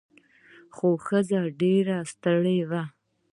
خو ښځه ډیره ستړې وه.